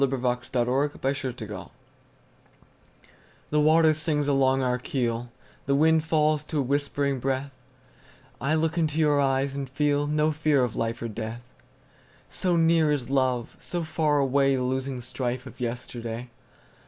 By SophieJewett 1502 Armistice THE WATER sings along our keel, The wind falls to a whispering breath;I look into your eyes and feelNo fear of life or death; So near is love, so far awayThe losing strife of yesterday.